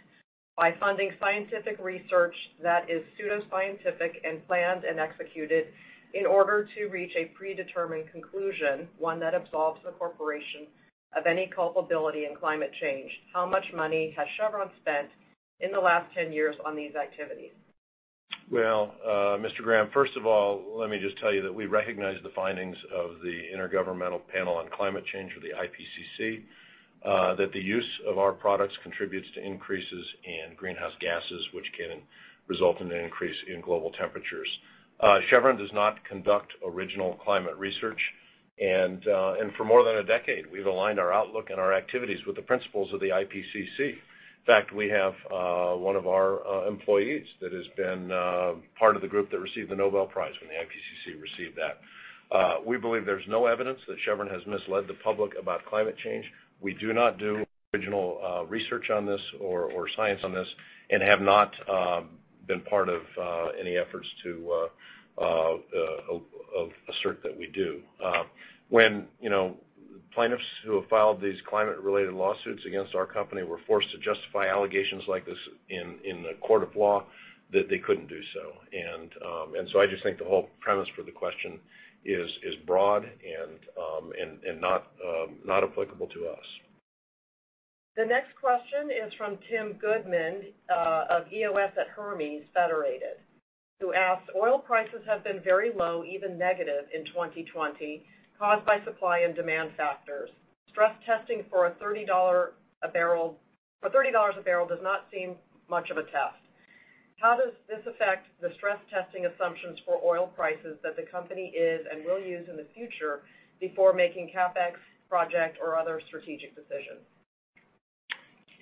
by funding scientific research that is pseudoscientific and planned and executed in order to reach a predetermined conclusion, one that absolves the corporation of any culpability in climate change. How much money has Chevron spent in the last 10 years on these activities? Well, Mr. Graham, first of all, let me just tell you that we recognize the findings of the Intergovernmental Panel on Climate Change, or the IPCC, that the use of our products contributes to increases in greenhouse gases, which can result in an increase in global temperatures. Chevron does not conduct original climate research. For more than a decade, we've aligned our outlook and our activities with the principles of the IPCC. In fact, we have one of our employees that has been part of the group that received the Nobel Prize when the IPCC received that. We believe there's no evidence that Chevron has misled the public about climate change. We do not do original research on this or science on this and have not been part of any efforts to assert that we do. When plaintiffs who have filed these climate-related lawsuits against our company were forced to justify allegations like this in a court of law, they couldn't do so. I just think the whole premise for the question is broad and not applicable to us. The next question is from Tim Goodman of EOS at Federated Hermes, who asks, "Oil prices have been very low, even negative, in 2020, caused by supply and demand factors. Stress testing for $30 a barrel does not seem much of a test. How does this affect the stress testing assumptions for oil prices that the company is and will use in the future before making CapEx project or other strategic decisions?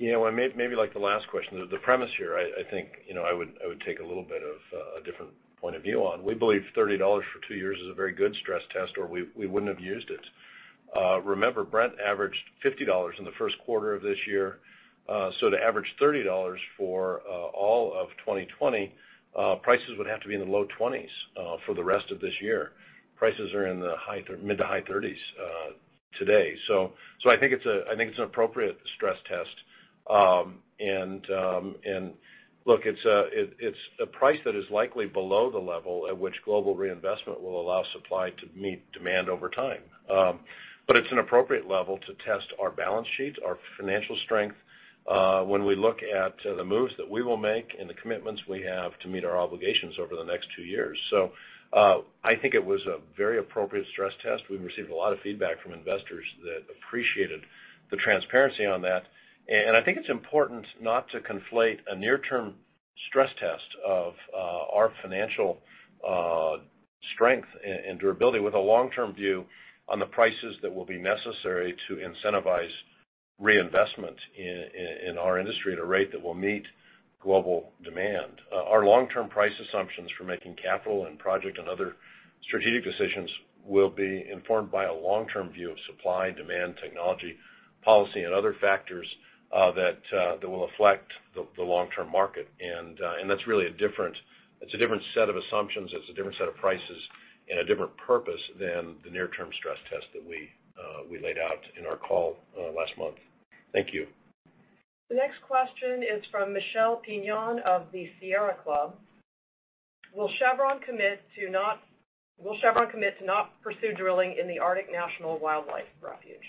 Well, maybe like the last question, the premise here, I think I would take a little bit of a different point of view on. We believe $30 for two years is a very good stress test, or we wouldn't have used it. Remember, Brent averaged $50 in the first quarter of this year. To average $30 for all of 2020, prices would have to be in the low $20s for the rest of this year. Prices are in the mid to high $30s today. I think it's an appropriate stress test. Look, it's a price that is likely below the level at which global reinvestment will allow supply to meet demand over time. It's an appropriate level to test our balance sheet, our financial strength when we look at the moves that we will make and the commitments we have to meet our obligations over the next two years. I think it was a very appropriate stress test. We've received a lot of feedback from investors that appreciated the transparency on that. I think it's important not to conflate a near-term stress test of our financial strength and durability with a long-term view on the prices that will be necessary to incentivize reinvestment in our industry at a rate that will meet global demand. Our long-term price assumptions for making CapEx and project and other strategic decisions will be informed by a long-term view of supply, demand, technology, policy, and other factors that will affect the long-term market. That's really a different set of assumptions, it's a different set of prices, and a different purpose than the near-term stress test that we laid out in our call last month. Thank you. The next question is from Michelle Piñon of the Sierra Club. Will Chevron commit to not pursue drilling in the Arctic National Wildlife Refuge?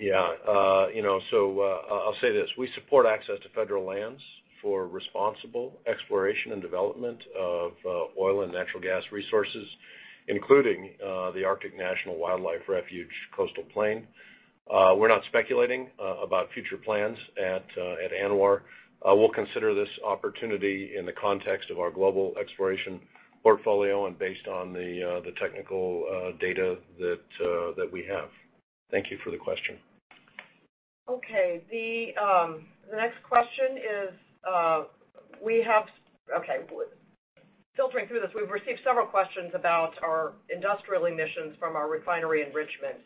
Yeah. I'll say this. We support access to federal lands for responsible exploration and development of oil and natural gas resources, including the Arctic National Wildlife Refuge Coastal Plain. We're not speculating about future plans at ANWR. We'll consider this opportunity in the context of our global exploration portfolio and based on the technical data that we have. Thank you for the question. Okay. Filtering through this, we've received several questions about our industrial emissions from our refinery in Richmond.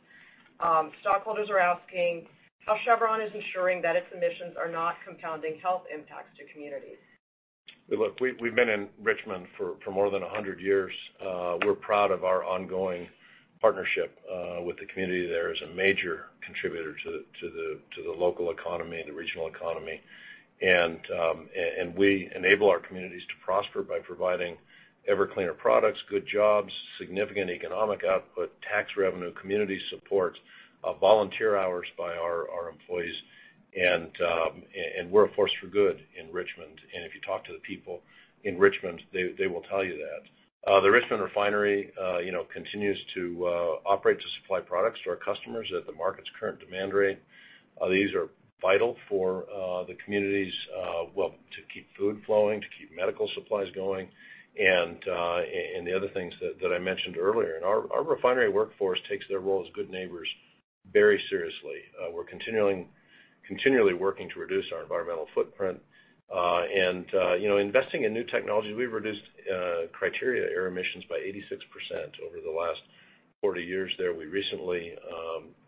Stockholders are asking how Chevron is ensuring that its emissions are not compounding health impacts to communities. Look, we've been in Richmond for more than 100 years. We're proud of our ongoing partnership with the community there as a major contributor to the local economy and the regional economy. We enable our communities to prosper by providing ever-cleaner products, good jobs, significant economic output, tax revenue, community support, volunteer hours by our employees, and we're a force for good in Richmond. If you talk to the people in Richmond, they will tell you that. The Richmond refinery continues to operate to supply products to our customers at the market's current demand rate. These are vital for the communities to keep food flowing, to keep medical supplies going, and the other things that I mentioned earlier. Our refinery workforce takes their role as good neighbors very seriously. We're continually working to reduce our environmental footprint. Investing in new technology, we've reduced criteria air emissions by 86% over the last 40 years there. We recently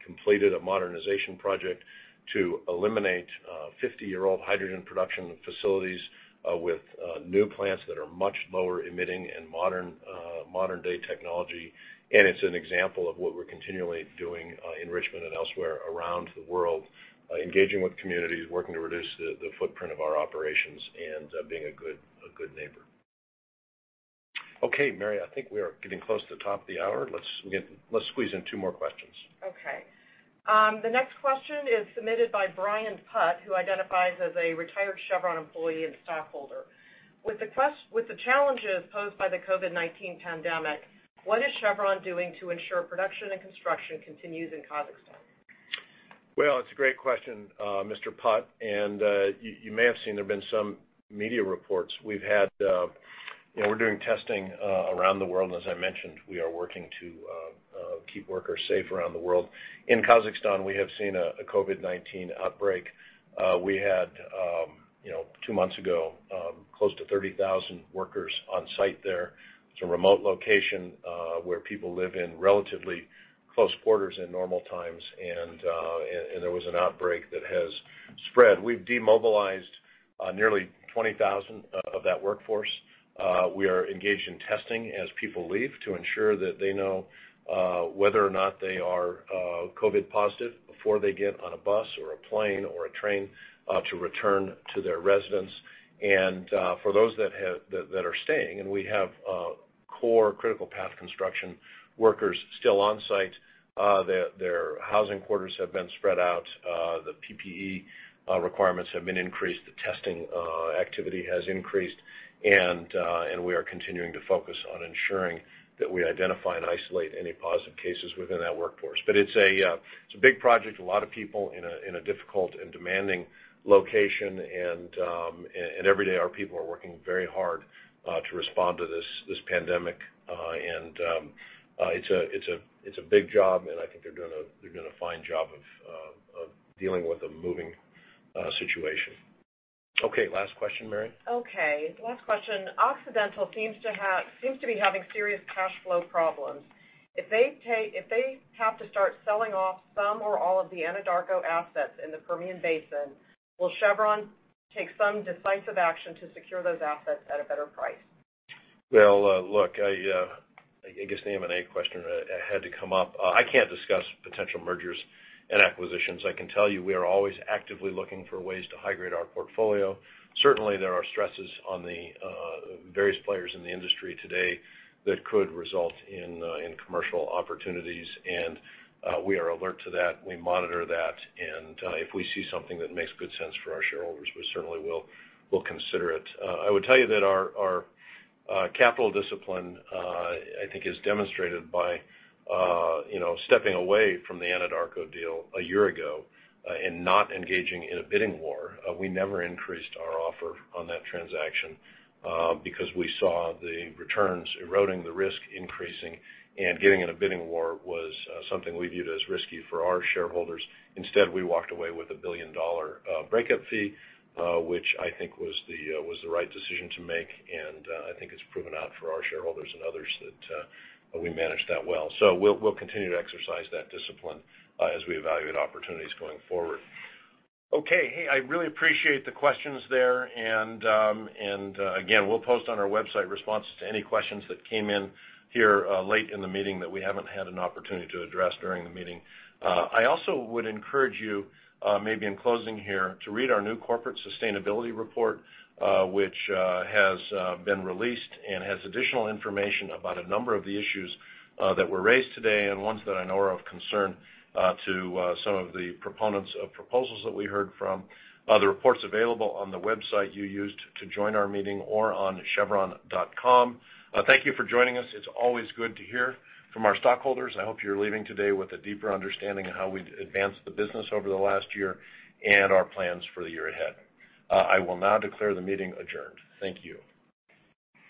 completed a modernization project to eliminate 50-year-old hydrogen production facilities with new plants that are much lower emitting and modern-day technology. It's an example of what we're continually doing in Richmond and elsewhere around the world, engaging with communities, working to reduce the footprint of our operations, and being a good neighbor. Okay, Mary, I think we are getting close to the top of the hour. Let's squeeze in two more questions. The next question is submitted by Brian Putt, who identifies as a retired Chevron employee and stockholder. With the challenges posed by the COVID-19 pandemic, what is Chevron doing to ensure production and construction continues in Kazakhstan? It's a great question, Mr. Putt, and you may have seen there have been some media reports. We're doing testing around the world, and as I mentioned, we are working to keep workers safe around the world. In Kazakhstan, we have seen a COVID-19 outbreak. We had, two months ago, close to 30,000 workers on site there. It's a remote location where people live in relatively close quarters in normal times, and there was an outbreak that has spread. We've demobilized nearly 20,000 of that workforce. We are engaged in testing as people leave to ensure that they know whether or not they are COVID positive before they get on a bus or a plane or a train to return to their residence. For those that are staying, and we have core critical path construction workers still on site, their housing quarters have been spread out. The PPE requirements have been increased, the testing activity has increased, and we are continuing to focus on ensuring that we identify and isolate any positive cases within that workforce. It's a big project, a lot of people in a difficult and demanding location, and every day our people are working very hard to respond to this pandemic. It's a big job, and I think they're doing a fine job of dealing with a moving situation. Okay, last question, Mary. Last question. Occidental seems to be having serious cash flow problems. If they have to start selling off some or all of the Anadarko assets in the Permian Basin, will Chevron take some decisive action to secure those assets at a better price? Well, look, I guess the M&A question had to come up. I can't discuss potential mergers and acquisitions. I can tell you we are always actively looking for ways to high-grade our portfolio. Certainly, there are stresses on the various players in the industry today that could result in commercial opportunities, and we are alert to that. We monitor that, and if we see something that makes good sense for our shareholders, we certainly will consider it. I would tell you that our capital discipline, I think is demonstrated by stepping away from the Anadarko deal a year ago and not engaging in a bidding war. We never increased our offer on that transaction because we saw the returns eroding, the risk increasing, and getting in a bidding war was something we viewed as risky for our shareholders. Instead, we walked away with a billion-dollar breakup fee, which I think was the right decision to make, and I think it's proven out for our shareholders and others that we managed that well. We'll continue to exercise that discipline as we evaluate opportunities going forward. Okay. Hey, I really appreciate the questions there, and again, we'll post on our website responses to any questions that came in here late in the meeting that we haven't had an opportunity to address during the meeting. I also would encourage you, maybe in closing here, to read our new corporate sustainability report which has been released and has additional information about a number of the issues that were raised today and ones that I know are of concern to some of the proponents of proposals that we heard from. The report's available on the website you used to join our meeting or on chevron.com. Thank you for joining us. It's always good to hear from our stockholders. I hope you're leaving today with a deeper understanding of how we've advanced the business over the last year and our plans for the year ahead. I will now declare the meeting adjourned. Thank you.